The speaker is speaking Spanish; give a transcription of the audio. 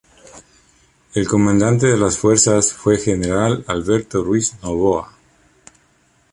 El comandante de las fuerzas fue general Alberto Ruiz Novoa.